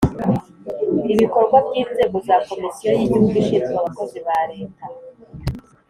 ibikorwa by inzego za komisiyo y igihugu ishinzwe abakozi ba leta